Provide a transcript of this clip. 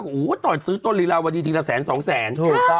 โห่ตอนซื้อต้นรีลาวดีทีละแสน๒แสน